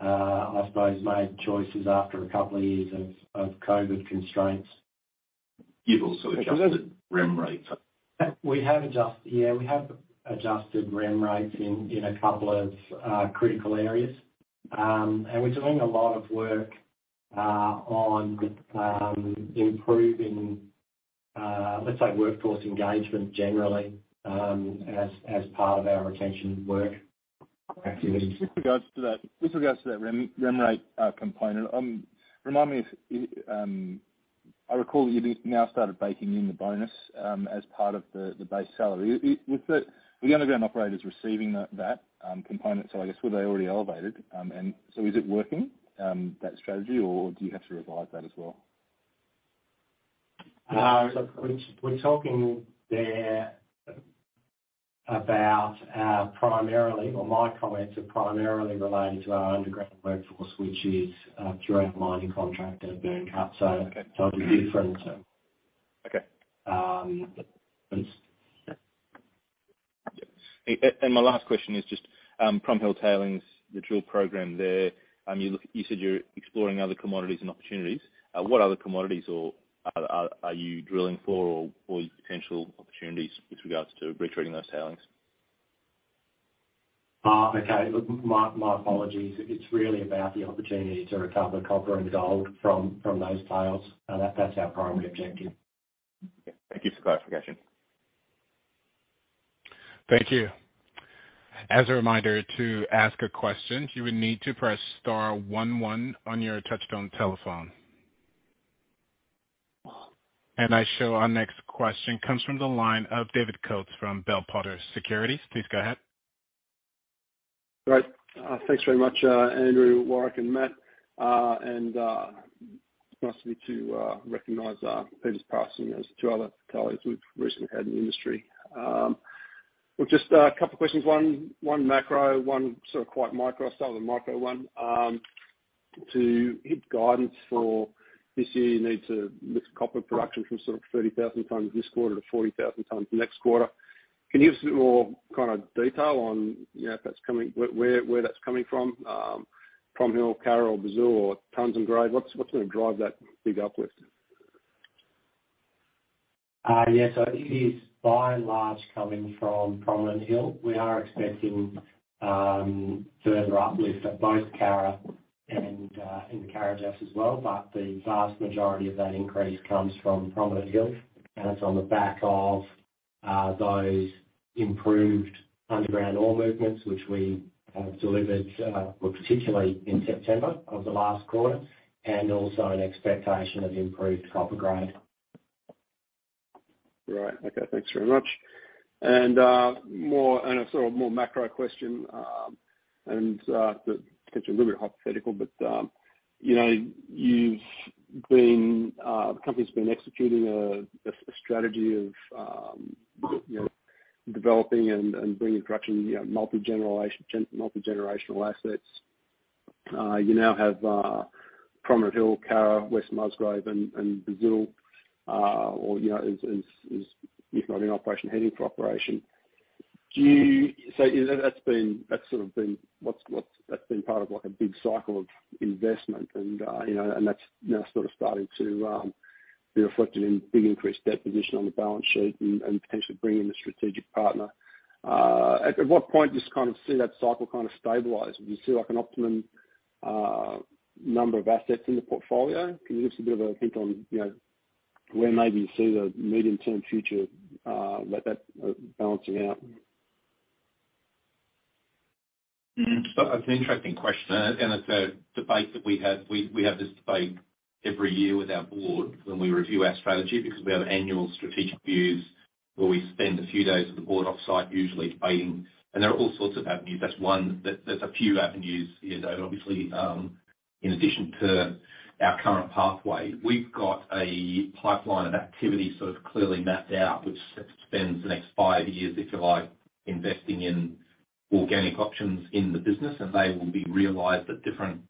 I suppose made choices after a couple of years of COVID constraints. You've also Adjusted REM rates. We have Adjusted REM rates in a couple of critical areas. We're doing a lot of work on improving- Let's say workforce engagement generally, as part of our retention work activities. With regards to that rem rate component, remind me if I recall you'd now started baking in the bonus as part of the base salary. Was the underground operators receiving that component? I guess were they already elevated? Is it working that strategy, or do you have to revise that as well? We're talking there about our primarily or my comments are primarily relating to our underground workforce, which is through our mining contract at Byrnecut. Okay. It'd be different. Okay. Um. My last question is just Prominent Hill tailings, the drill program there. You said you're exploring other commodities and opportunities. What other commodities or are you drilling for or potential opportunities with regards to retreading those tailings? Okay. Look, my apologies. It's really about the opportunity to recover copper and gold from those tailings. That's our primary objective. Thank you for clarification. Thank you. As a reminder, to ask a question, you would need to press star one one on your touch-tone telephone. Our next question comes from the line of David Coates from Bell Potter Securities. Please go ahead. Thanks very much, Andrew, Warrick, and Matt. And nice of you to recognize Peter's passing as two other colleagues we've recently had in the industry. Well, just a couple questions. One macro, one sort of quite micro. I'll start with the micro one. To hit guidance for this year, you need to lift copper production from sort of 30,000 tons this quarter to 40,000 tons next quarter. Can you give us a bit more kind of detail on, you know, if that's coming, where that's coming from? Prominent Hill, Carrapateena or Brazil or tons and grade. What's gonna drive that big uplift? Yes. It is by and large coming from Prominent Hill. We are expecting further uplift at Carrapateena as well, but the vast majority of that increase comes from Prominent Hill. It's on the back of those improved underground ore movements, which we have delivered, well, particularly in September of the last quarter, and also an expectation of improved copper grade. Right. Okay. Thanks very much. A sort of more macro question, potentially a little bit hypothetical, but you know, you've been, the company's been executing a strategy of you know, developing and bringing to fruition you know, multi-generational assets. You now have Prominent Hill, Carrapateena, West Musgrave and Brazil, or you know, if not in operation, heading for operation. That's sort of been what's been part of like a big cycle of investment and you know, and that's now sort of starting to be reflected in a big increased debt position on the balance sheet and potentially bringing in a strategic partner. At what point do you just kind of see that cycle kind of stabilize? Do you see like an optimum number of assets in the portfolio? Can you give us a bit of a hint on, you know, where maybe you see the medium-term future, like that balancing out? That's an interesting question, and it's a debate that we have. We have this debate every year with our board when we review our strategy because we have annual strategic views where we spend a few days with the board offsite, usually debating. There are all sorts of avenues. That's one. There's a few avenues here, Dave. Obviously, in addition to our current pathway. We've got a pipeline of activities sort of clearly mapped out, which spans the next five years, if you like, investing in organic options in the business, and they will be realized at different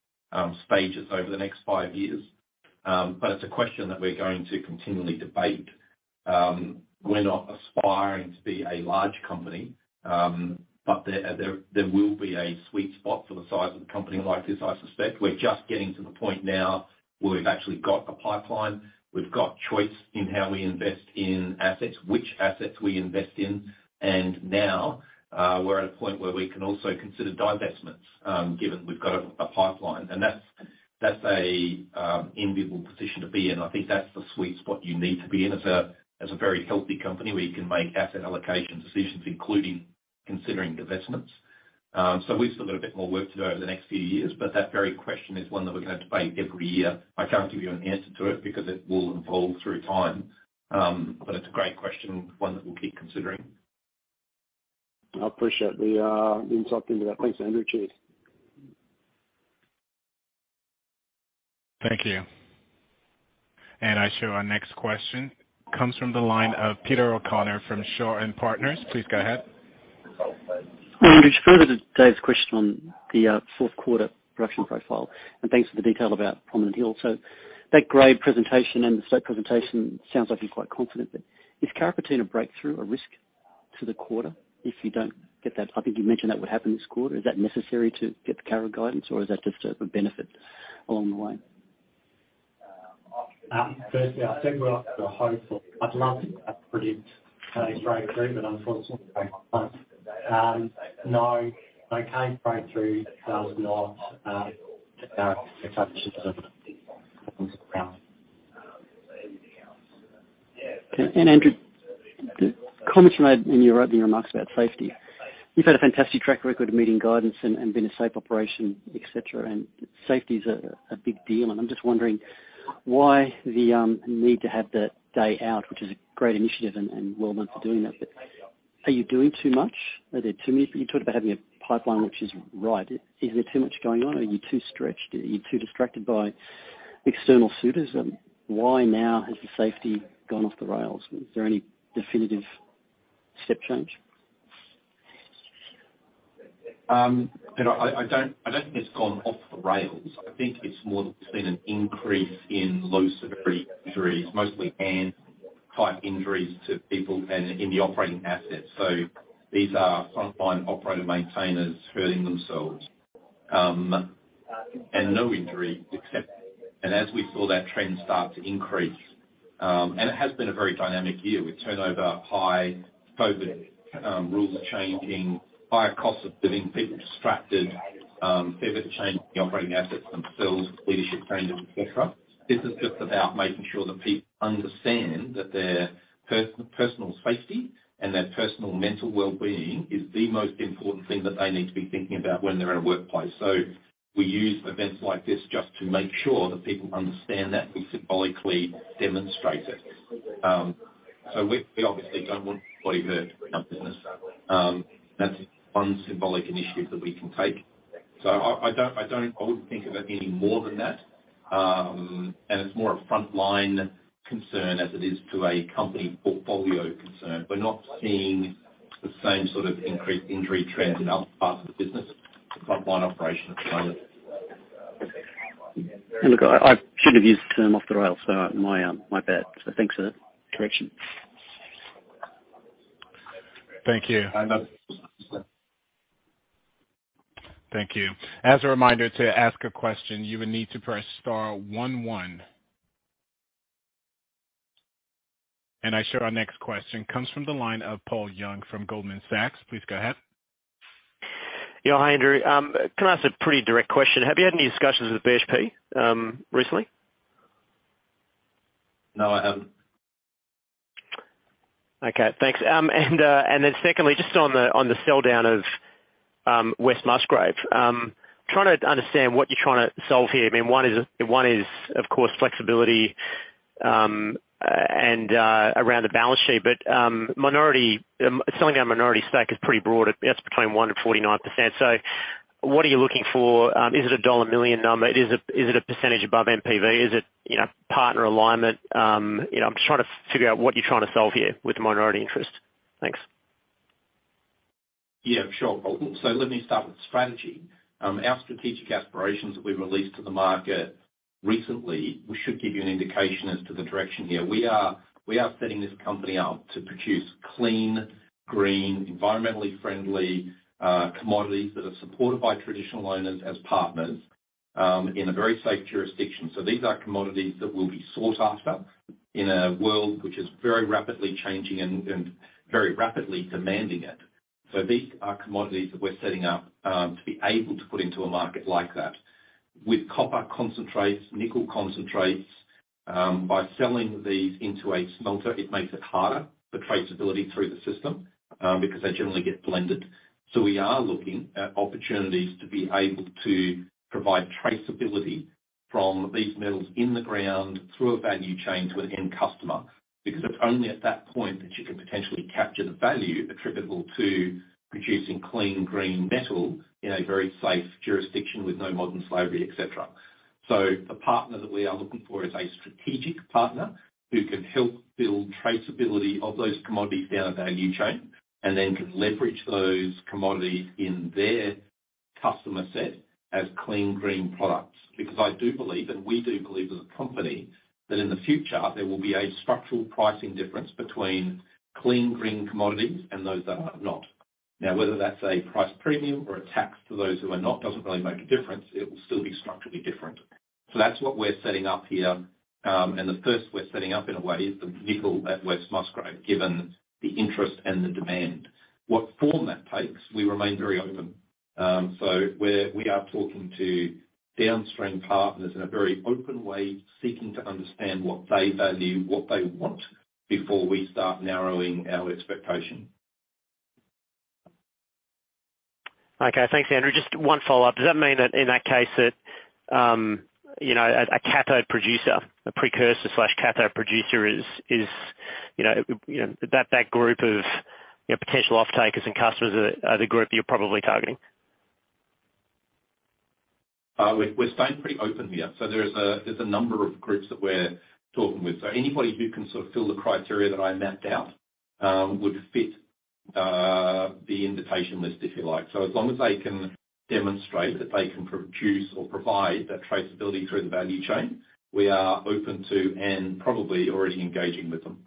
stages over the next five years. But it's a question that we're going to continually debate. We're not aspiring to be a large company, but there will be a sweet spot for the size of a company like this, I suspect. We're just getting to the point now where we've actually got a pipeline. We've got choice in how we invest in assets, which assets we invest in, and now we're at a point where we can also consider divestments, given we've got a pipeline. That's an enviable position to be in. I think that's the sweet spot you need to be in as a very healthy company where you can make asset allocation decisions, including considering divestments. We've still got a bit more work to do over the next few years, but that very question is one that we're gonna debate every year. I can't give you an answer to it because it will evolve through time. It's a great question, one that we'll keep considering. I appreciate the insight into that. Thanks, Andrew. Cheers. Thank you. I show our next question comes from the line of Peter O'Connor from Shaw and Partners. Please go ahead. Hi, Andrew. Just further to Dave's question on the fourth quarter production profile, and thanks for the detail about Prominent Hill. That grade presentation and the slope presentation sounds like you're quite confident. Is Carrapateena breakthrough a risk to the quarter if you don't get that? I think you mentioned that would happen this quarter. Is that necessary to get the Carrapateena guidance, or is that just a benefit along the way? Firstly, I think we're hopeful. I'd love to predict a breakthrough, but unfortunately, I can't. <audio distortion> Andrew, the comments you made when you were opening remarks about safety. You've had a fantastic track record of meeting guidance and been a safe operation, et cetera. Safety is a big deal. I'm just wondering why the need to have the day out, which is a great initiative and well done for doing that. Are you doing too much? Are there too many you talked about having a pipeline which is right. Is there too much going on? Are you too stretched? Are you too distracted by external suitors? Why now has the safety gone off the rails? Is there any definitive step change? You know, I don't think it's gone off the rails. I think it's more there's been an increase in low severity injuries, mostly hand type injuries to people and in the operating assets. These are frontline operator maintainers hurting themselves. As we saw that trend start to increase, and it has been a very dynamic year with turnover high, COVID, rules changing, higher cost of living, people distracted, ever-changing operating assets themselves, leadership changes, et cetera. This is just about making sure that people understand that their personal safety and their personal mental wellbeing is the most important thing that they need to be thinking about when they're in a workplace. We use events like this just to make sure that people understand that. We symbolically demonstrate it. We obviously don't want anybody hurt in our business. That's one symbolic initiative that we can take. I wouldn't think of it any more than that. It's more a frontline concern than it is to a company portfolio concern. We're not seeing the same sort of increased injury trends in other parts of the business. It's frontline operations at the moment. Look, I shouldn't have used the term off the rails, so my bad. Thanks for the correction. Thank you. No. Thank you. As a reminder to ask a question, you will need to press star one one. I show our next question comes from the line of Paul Young from Goldman Sachs. Please go ahead. Yeah. Hi, Andrew. Can I ask a pretty direct question? Have you had any discussions with BHP, recently? No, I haven't. Okay, thanks. Secondly, just on the of West Musgrave, trying to understand what you're trying to solve here. I mean, one is of course flexibility around the balance sheet, but selling a minority stake is pretty broad. It's between 1% and 49%. What are you looking for? Is it a dollar million number? Is it a percentage above NPV? Is it, you know, partner alignment? You know, I'm just trying to figure out what you're trying to solve here with the minority interest. Thanks. Yeah, sure. Let me start with strategy. Our strategic aspirations that we released to the market recently should give you an indication as to the direction here. We are setting this company up to produce clean, green, environmentally friendly commodities that are supported by traditional owners as partners in a very safe jurisdiction. These are commodities that will be sought after in a world which is very rapidly changing and very rapidly demanding it. These are commodities that we're setting up to be able to put into a market like that. With copper concentrates, nickel concentrates, by selling these into a smelter, it makes it harder for traceability through the system because they generally get blended. We are looking at opportunities to be able to provide traceability from these metals in the ground through a value chain to an end customer, because it's only at that point that you can potentially capture the value attributable to producing clean green metal in a very safe jurisdiction with no modern slavery, et cetera. The partner that we are looking for is a strategic partner who can help build traceability of those commodities down a value chain and then can leverage those commodities in their customer set as clean green products. Because I do believe, and we do believe as a company, that in the future there will be a structural pricing difference between clean green commodities and those that are not. Now, whether that's a price premium or a tax to those who are not, doesn't really make a difference. It will still be structurally different. That's what we're setting up here. The first we're setting up in a way is the nickel at West Musgrave, given the interest and the demand. What form that takes, we remain very open. We are talking to downstream partners in a very open way, seeking to understand what they value, what they want, before we start narrowing our expectation. Okay. Thanks, Andrew. Just one follow-up. Does that mean that in that case that, you know, a cathode producer, a precursor cathode producer is, you know, that group of, you know, potential off-takers and customers are the group you're probably targeting? We're staying pretty open here. There's a number of groups that we're talking with. Anybody who can sort of fill the criteria that I mapped out would fit the invitation list, if you like. As long as they can demonstrate that they can produce or provide that traceability through the value chain, we are open to and probably already engaging with them.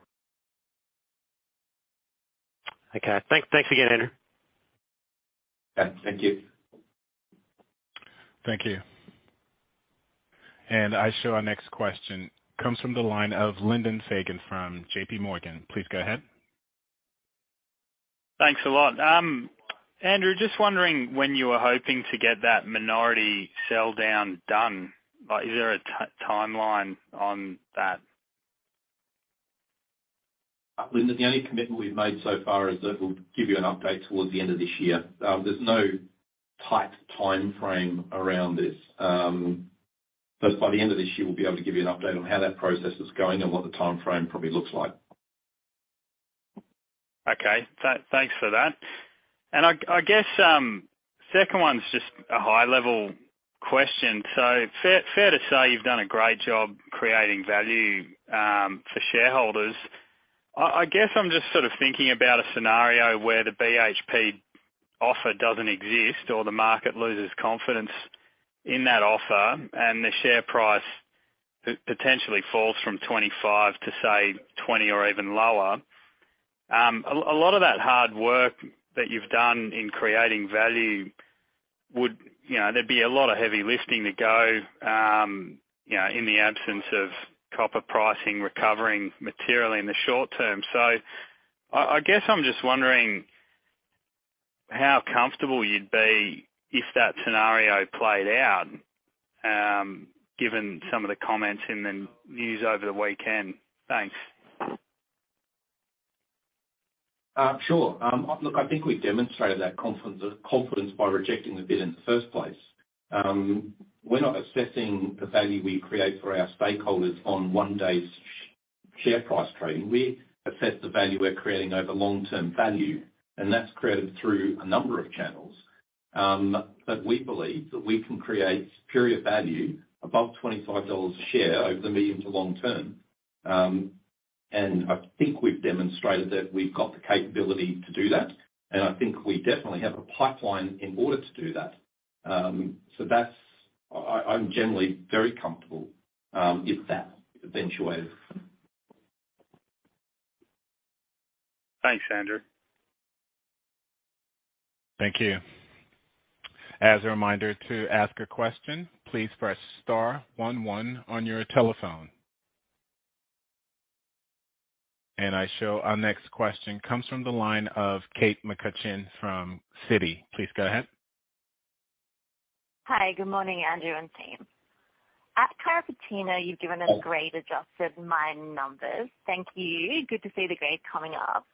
Okay. Thanks again, Andrew. Okay. Thank you. Thank you. I show our next question comes from the line of Lyndon Fagan from JPMorgan. Please go ahead. Thanks a lot. Andrew, just wondering when you were hoping to get that minority sell-down done. Like, is there a timeline on that? Lyndon Fagan, the only commitment we've made so far is that we'll give you an update toward the end of this year. There's no tight timeframe around this. By the end of this year, we'll be able to give you an update on how that process is going and what the timeframe probably looks like. Thanks for that. I guess second one's just a high level question. Fair to say you've done a great job creating value for shareholders. I guess I'm just sort of thinking about a scenario where the BHP offer doesn't exist or the market loses confidence in that offer and the share price potentially falls from 25 to, say, 20 or even lower. A lot of that hard work that you've done in creating value would, there'd be a lot of heavy lifting to go in the absence of copper pricing recovering materially in the short term. I guess I'm just wondering how comfortable you'd be if that scenario played out, given some of the comments in the news over the weekend. Thanks. Sure. Look, I think we demonstrated that confidence by rejecting the bid in the first place. We're not assessing the value we create for our stakeholders on one day's share price trading. We assess the value we're creating over long-term value, and that's created through a number of channels, but we believe that we can create superior value above 25 dollars a share over the medium to long term. I think we've demonstrated that we've got the capability to do that, and I think we definitely have a pipeline in order to do that. That's. I'm generally very comfortable if that eventuates. Thanks, Andrew. Thank you. As a reminder, to ask a question, please press star one one on your telephone. I show our next question comes from the line of Kate McCutcheon from Citi. Please go ahead. Hi. Good morning, Andrew and team. At Carrapateena, you've given us great adjusted mine numbers. Thank you. Good to see the grade coming up.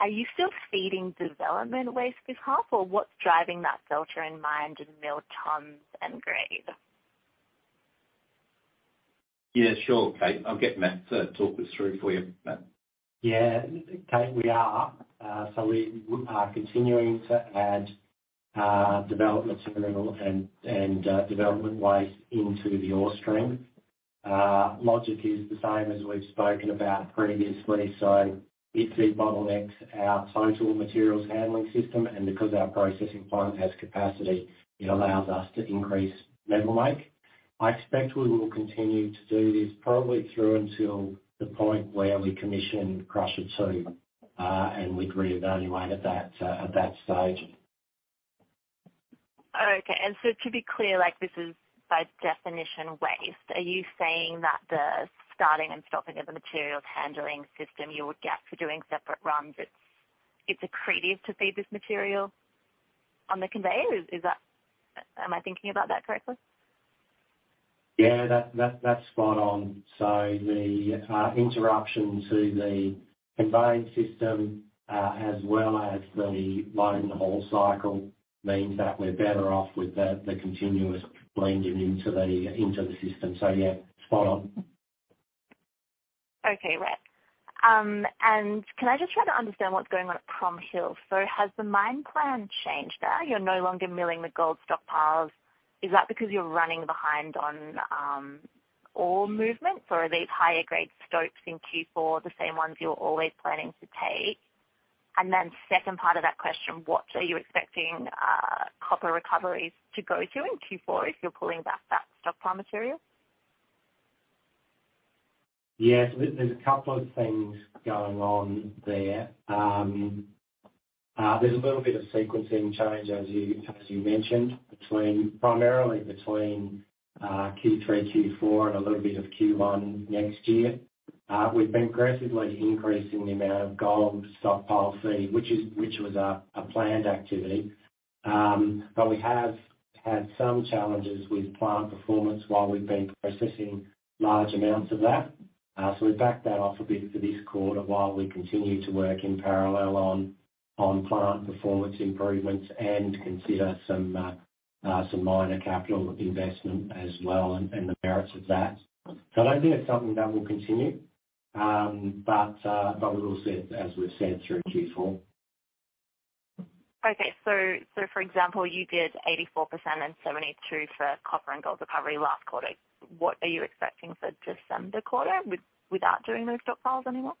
Are you still feeding development waste with half or what's driving that uplift in mined and milled tonnes and grade? Yeah, sure, Kate. I'll get Matt to talk this through for you. Matt? Yeah. Kate, we are continuing to add development material and development waste into the ore stream. The logic is the same as we've spoken about previously. The feed bottlenecks our total materials handling system, and because our processing plant has capacity, it allows us to increase metal make. I expect we will continue to do this probably through until the point where we commission Crusher 2, and we'd reevaluate at that stage. Okay. To be clear, like this is by definition waste. Are you saying that the starting and stopping of the materials handling system you would get for doing separate runs, it's accretive to feed this material on the conveyor? Is that? Am I thinking about that correctly? Yeah, that's spot on. The interruption to the conveyance system, as well as the load and haul cycle means that we're better off with the continuous blending into the system. Yeah, spot on. Okay. Right. Can I just try to understand what's going on at Prominent Hill? Has the mine plan changed there? You're no longer milling the gold stockpiles. Is that because you're running behind on, ore movements or are these higher grade stopes in Q4 the same ones you're always planning to take? Then second part of that question, what are you expecting, copper recoveries to go to in Q4 if you're pulling back that stockpile material? Yes. There's a couple of things going on there. There's a little bit of sequencing change as you mentioned, primarily between Q3, Q4 and a little bit of Q1 next year. We've been aggressively increasing the amount of gold stockpile C, which was a planned activity. We have had some challenges with plant performance while we've been processing large amounts of that. We backed that off a bit for this quarter while we continue to work in parallel on plant performance improvements and consider some minor capital investment as well and the merits of that. I don't think it's something that will continue, but we will see as we've said through Q4. Okay. For example, you did 84% and 72% for copper and gold recovery last quarter. What are you expecting for December quarter without doing those stockpiles anymore?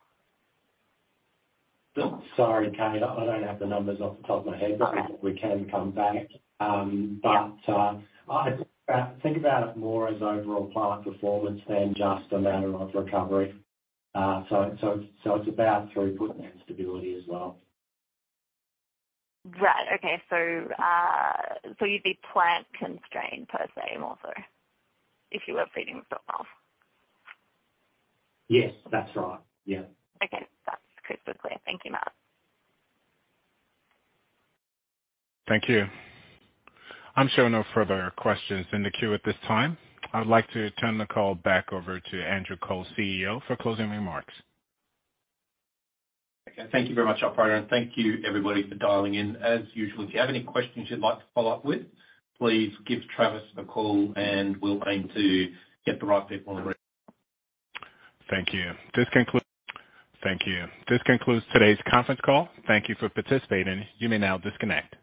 Sorry, Kate. I don't have the numbers off the top of my head. Okay. We can come back. I'd think about it more as overall plant performance than just amount of recovery. It's about throughput and stability as well. Right. Okay. You'd be plant constrained per se more so if you were feeding the stockpiles? Yes, that's right. Yeah. Okay. That's crystal clear. Thank you, Matt. Thank you. I'm showing no further questions in the queue at this time. I'd like to turn the call back over to Andrew Cole, CEO, for closing remarks. Okay. Thank you very much, operator, and thank you everybody for dialing in. As usual, if you have any questions you'd like to follow up with, please give Travis a call and we'll aim to get the right people on. Thank you. This concludes today's conference call. Thank you for participating. You may now disconnect.